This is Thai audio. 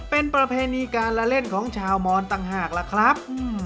เป็นประเพณีการละเล่นของชาวมอนต่างหากล่ะครับ